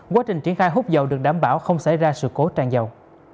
quá trình triển khai hút dầu được đảm bảo không xảy ra sự cố tràn dầu